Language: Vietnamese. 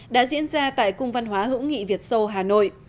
đã diễn ra tại cung văn hóa hữu nghị việt sô hà nội